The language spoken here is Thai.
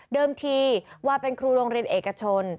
ทีวาเป็นครูโรงเรียนเอกชน